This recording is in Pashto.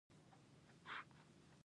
زه پر ځان باور پیدا کوم.